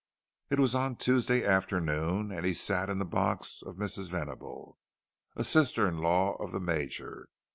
It was on Tuesday afternoon, and he sat in the box of Mrs. Venable, a sister in law of the Major.